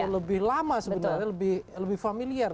lebih lama sebenarnya lebih familiar